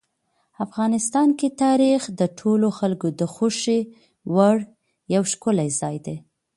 افغانستان کې تاریخ د ټولو خلکو د خوښې وړ یو ښکلی ځای دی.